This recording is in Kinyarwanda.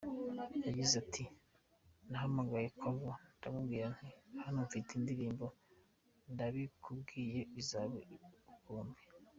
Yagize ati “Nahamagaye Quavo ndamubwira nti hano mfite indirimbo, ndabikubwiye izaba ubukombe.